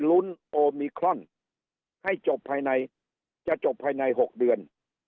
ลุ้นโอมิครอนให้จบภายในจะจบภายใน๖เดือน